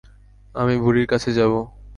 আমি বুড়ির কাছে যাবো।